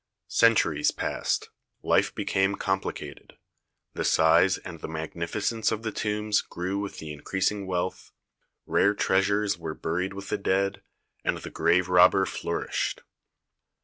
Centuries passed; life became compli cated; the size and the magnificence of the tombs grew with the increasing wealth; rare treasures were buried with the dead, and the grave robber flourished.